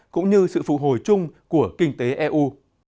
cũng như sự phụ hồi chung của kinh tế eu